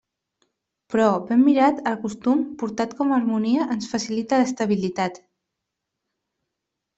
Però, ben mirat, el costum, portat com a harmonia, ens facilita l'estabilitat.